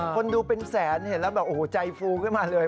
คนดูเป็นแสนเห็นแล้วแบบโอ้โหใจฟูขึ้นมาเลย